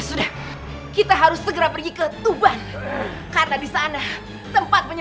sampai jumpa di video selanjutnya